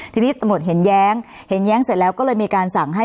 ทีนี้ตำรวจเห็นแย้งเห็นแย้งเสร็จแล้วก็เลยมีการสั่งให้